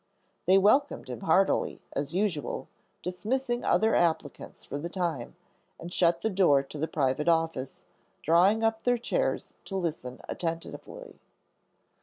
They welcomed him heartily, as usual, dismissing other applicants for the time, and shut the door to the private office, drawing up their chairs to listen attentively.